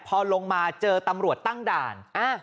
พอลงมาเจอตำรวจตั้งด่าน